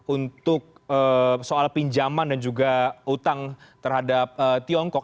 untuk soal pinjaman dan juga utang terhadap tiongkok